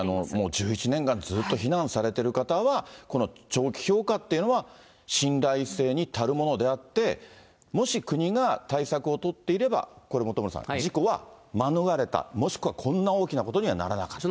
１１年間、ずっと避難されてる方は、この長期評価っていうのは、信頼性に足るものであって、もし国が対策を取っていれば、これ、本村さん、事故は免れた、もしくはこんな大きなことにはならなかった？